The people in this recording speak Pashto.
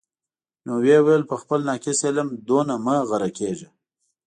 نو ویې ویل: په خپل ناقص علم دومره مه غره کېږه.